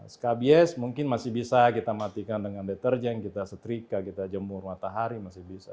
skabies mungkin masih bisa kita matikan dengan deterjen kita setrika kita jemur matahari masih bisa